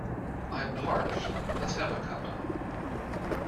I'm parched. Let's have a cuppa